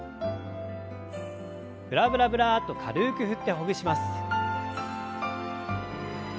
ブラブラブラッと軽く振ってほぐします。